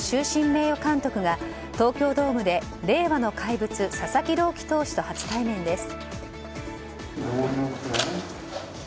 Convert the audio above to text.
名誉監督が東京ドームで令和の怪物佐々木朗希投手と初対面です。